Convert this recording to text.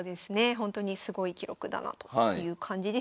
ほんとにすごい記録だなという感じです。